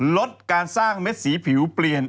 ลดการสร้างเม็ดสีผิวเปลี่ยน